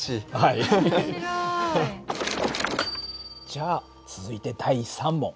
じゃあ続いて第３問。